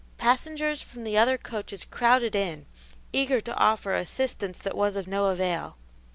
Passengers from the other coaches crowded in, eager to offer assistance that was of no avail.